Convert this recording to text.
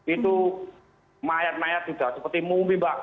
itu mayat mayat sudah seperti mumi mbak